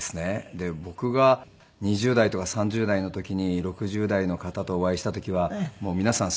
で僕が２０代とか３０代の時に６０代の方とお会いした時はもう皆さん